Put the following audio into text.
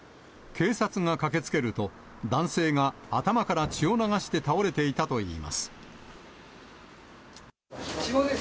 警察が駆けつけると、男性が頭から血を流して倒れていたといいます。